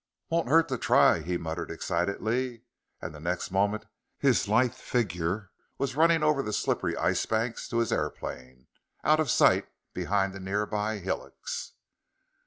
"Won't hurt to try!" he muttered excitedly, and the next moment his lithe figure was running over the slippery ice bank to his airplane, out of sight behind the nearby hillocks.